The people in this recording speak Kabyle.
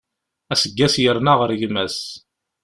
Aseggas yerna ɣer gma-s.